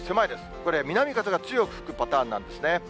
これ、南風が強く吹くパターンなんですね。